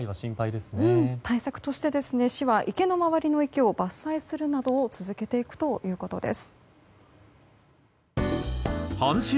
対策として市は池の周りの木を伐採するなどをしていくということです。